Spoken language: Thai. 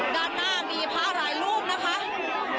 ด้านหน้ามีพระหลายรูปนะคะ